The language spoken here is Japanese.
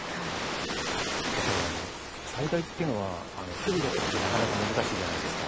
やっぱり災害っていうのは防ぐことってなかなか難しいじゃないですか。